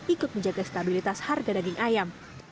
ikut menjaga stabilitas harga daging ayam